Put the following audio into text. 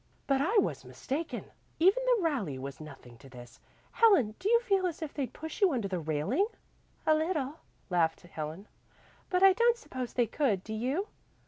"But I was mistaken. Even the rally was nothing to this. Helen, do you feel as if they'd push you under the railing?" "A little," laughed Helen, "but I don't suppose they could, do you?"